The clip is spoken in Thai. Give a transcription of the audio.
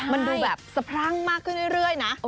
มันดูแบบสะพรั่งมากขึ้นเรื่อยนะ